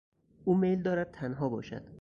او میل دارد تنها باشد.